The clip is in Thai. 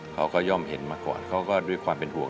ย่อมเห็นมาก่อนเขาก็ด้วยความเป็นห่วง